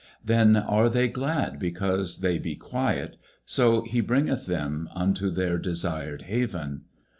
19:107:030 Then are they glad because they be quiet; so he bringeth them unto their desired haven.